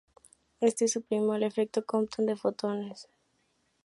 Esto suprime el efecto Compton de fotones.